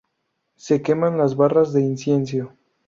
Se queman las barras de incienso.